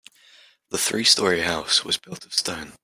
The three story house was built of stone.